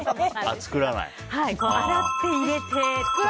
洗って、入れてとか。